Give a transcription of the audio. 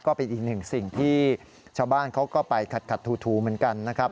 ก็เป็นอีกหนึ่งสิ่งที่ชาวบ้านเขาก็ไปขัดถูเหมือนกันนะครับ